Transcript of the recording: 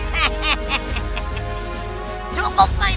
aduh bangun mulut kamu bau tua eh sadar